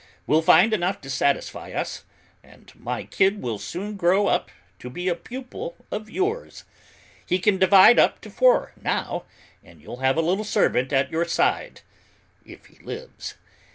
We'll find enough to satisfy us, and my kid will soon grow up to be a pupil of yours; he can divide up to four, now, and you'll have a little servant at your side, if he lives.